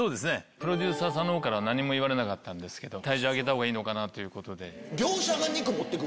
プロデューサーさんの方から何も言われなかったけど体重上げた方がいいのかなということで。